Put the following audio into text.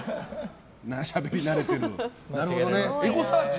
しゃべり慣れてる。